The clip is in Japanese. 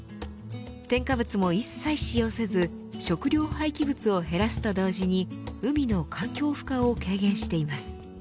添加物も一切使用せず食料廃棄物を減らすと同時に海の環境負荷を軽減しています。